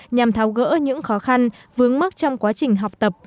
nhằm tháo gỡ những khó khăn vướng mắc trong quá trình học tập